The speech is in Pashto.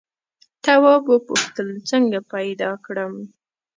تواب وپوښتل څنګه پیدا کړم.